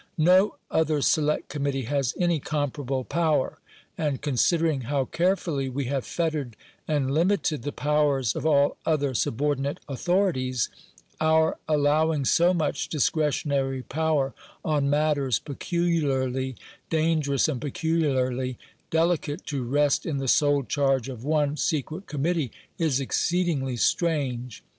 No other select committee has any comparable power; and considering how carefully we have fettered and limited the powers of all other subordinate authorities, our allowing so much discretionary power on matters peculiarly dangerous and peculiarly delicate to rest in the sole charge of one secret committee is exceedingly strange.